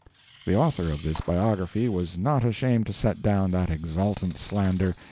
The author of this biography was not ashamed to set down that exultant slander.